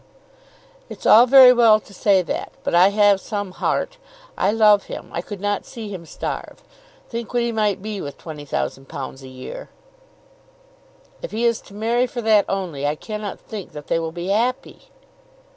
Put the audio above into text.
"It's all very well to say that, but I have some heart. I love him. I could not see him starve. Think what he might be with £20,000 a year!" "If he is to marry for that only, I cannot think that they will be happy."